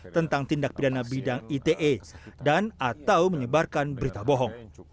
tentang tindak pidana bidang ites dan atau menyebarkan berita bohong